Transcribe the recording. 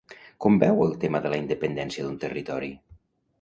Com veu el tema de la independència d'un territori?